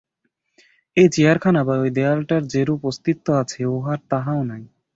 এই চেয়ারখানা বা ঐ দেয়ালটার যেরূপ অস্তিত্ব আছে, উহার তাহাও নাই।